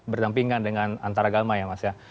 berdampingan dengan antaragama ya mas ya